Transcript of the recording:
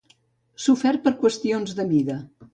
Sofert per qüestions de mida.